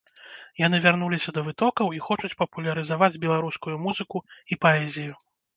Яны вярнуліся да вытокаў і хочуць папулярызаваць беларускую музыку і паэзію.